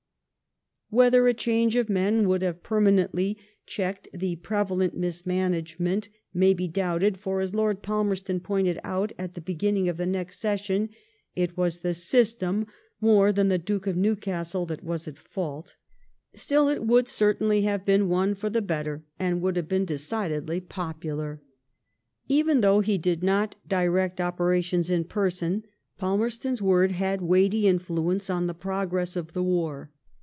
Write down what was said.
Whether a change of men would have permanently checked the prevalent mismanagement, may be doubted ; for, as Lord Palmerston pointed out at the beginning of the next session, it was the system more than the Duke of Newcastle that was at fault ; still it would certainly have been one for the better, and would have been decidedly popular. Even though he did not direct operations in person, Palmerston's word had weighty influence on the progress of the war.